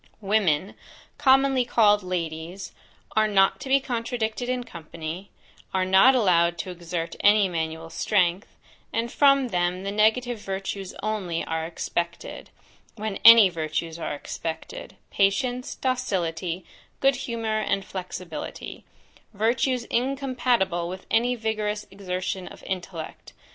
Women, commonly called Ladies, are not to be contradicted in company, are not allowed to exert any manual strength; and from them the negative virtues only are expected, when any virtues are expected, patience, docility, good humour, and flexibility; virtues incompatible with any vigorous exertion of intellect.